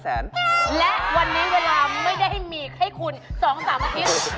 ๒๓อาทิตย์เรามีเวลาให้คุณ๑๐โมงเดียว